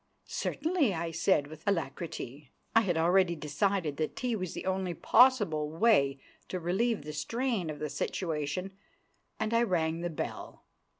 "Certainly," I said with alacrity. I had already decided that tea was the only possible way to relieve the strain of the situation, and I rang the bell.